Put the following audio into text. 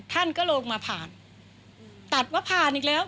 ท่านก็ลงมาผ่านตัดว่าผ่านอีกแล้ว